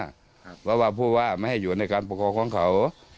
เพราะว่าผู้ว่าไม่ให้อยู่ในการปกครองของเขา